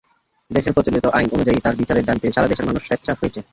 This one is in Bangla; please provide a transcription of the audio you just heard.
দেশের প্রচলিত আইন অনুযায়ী তাঁর বিচারের দাবিতে সারা দেশের মানুষ সোচ্চার হয়েছে।